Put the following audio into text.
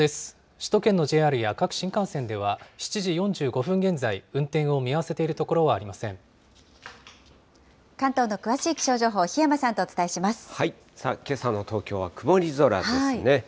首都圏のＪＲや各新幹線では７時４５分現在、運転を見合わせてい関東の詳しい気象情報、檜山けさの東京は曇り空ですね。